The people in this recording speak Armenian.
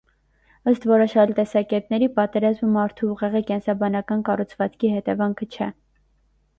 Ըստ որոշ այլ տեսակետների՝ պատերազմը մարդու ուղեղի կենսաբանական կառուցվածքի հետևանքը չէ։